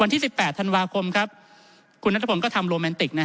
ที่๑๘ธันวาคมครับคุณนัทพลก็ทำโรแมนติก